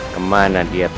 kemana dia terjadi